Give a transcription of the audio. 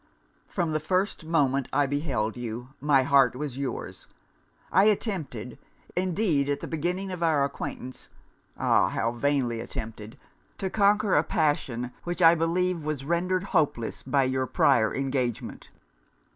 'From the first moment I beheld you, my heart was your's. I attempted, indeed, at the beginning of our acquaintance ah! how vainly attempted! to conquer a passion which I believed was rendered hopeless by your prior engagement.